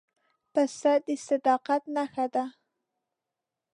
پسه د صداقت نښه ده.